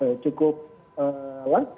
aku cukup dengar bahasa jakarta